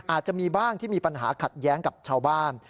อาจจะมีบ้างที่มีปัญหาขัดแย้งกับชาวบ้าน